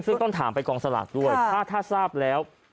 ซึ่งต้องถามไปกองสลากด้วยถ้าทราบแล้ว